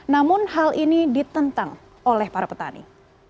namun hal ini ditentang oleh para petani